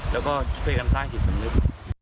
แล้วก็ช่วยกันสร้างจิตสำนึก